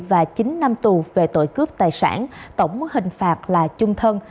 và chín năm tù về tội cướp tài sản tổng mức hình phạt là chung thân